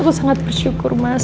aku sangat bersyukur mas